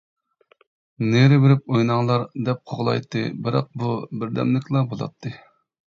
نېرى بېرىپ ئويناڭلار دەپ قوغلايتتى، بىراق بۇ بىردەملىكلا بولاتتى.